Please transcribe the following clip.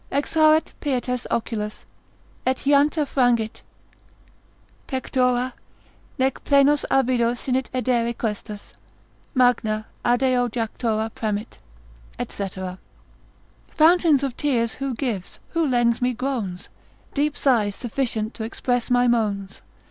Exhaurit pietas oculos, et hiantia frangit Pectora, nec plenos avido sinit edere questus, Magna adeo jactura premit, &c. Fountains of tears who gives, who lends me groans, Deep sighs sufficient to express my moans?